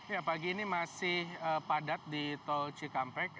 ya pagi ini masih padat di tol cikampek